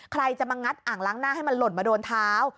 ใครจะมางัดอ่างล้างหน้าให้มันหล่นมาโดนเท้า